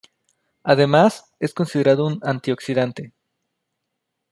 Además es considerado un Antioxidante.